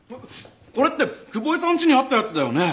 これって久保井さんちにあったやつだよね。